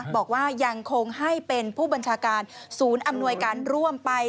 บอกว่ายังคงให้เป็นผู้บัญชาการศูนย์อำนวยการร่วมไป